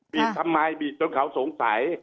ทำไมบีบจนเขาสงสัย